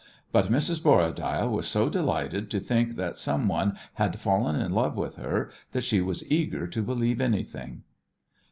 But Mrs. Borradaile was so delighted to think that some one had fallen in love with her that she was eager to believe anything.